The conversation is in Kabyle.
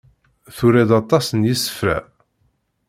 Tura-d aṭas n yisefra.